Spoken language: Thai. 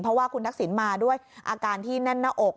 เพราะว่าคุณทักษิณมาด้วยอาการที่แน่นหน้าอก